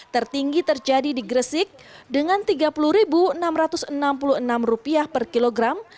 tertinggi terjadi di gresik dengan rp tiga puluh enam ratus enam puluh enam per kilogram